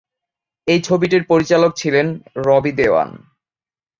এই ছবিটির পরিচালক ছিলেন রবি দেওয়ান।